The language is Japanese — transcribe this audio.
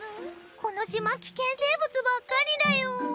この島危険生物ばっかりだよ。